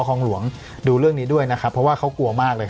คลองหลวงดูเรื่องนี้ด้วยนะครับเพราะว่าเขากลัวมากเลย